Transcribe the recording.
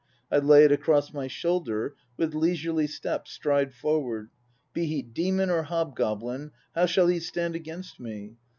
I lay it across my shoulder; with leisurely step stride forward. Be he demon or hobgoblin, how shall he stand against me?